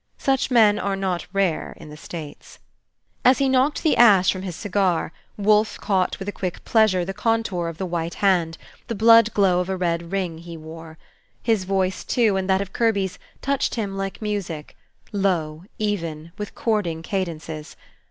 Such men are not rare in the States. As he knocked the ashes from his cigar, Wolfe caught with a quick pleasure the contour of the white hand, the blood glow of a red ring he wore. His voice, too, and that of Kirby's, touched him like music, low, even, with chording cadences.